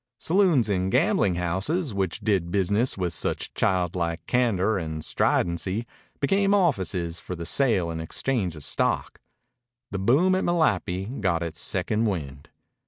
Saloons and gambling houses, which did business with such childlike candor and stridency, became offices for the sale and exchange of stock. The boom at Malapi got its second wind.